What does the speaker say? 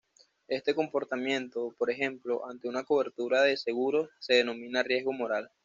Este comportamiento, por ejemplo, ante una cobertura de seguros se denomina riesgo moral.